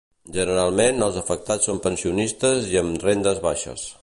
Generalment, els afectats són pensionistes i amb rendes baixes.